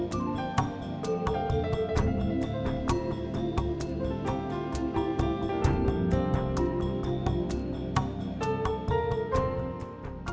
terbang tinggilah selalu engkau layang layang bali